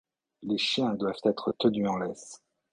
Les chiens doivent être tenus en laisse.